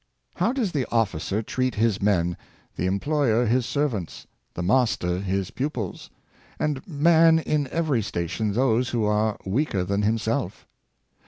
How does the officer treat his men, the employer his servants, the master his pupils, and man in every sta tion those who are weaker than himself?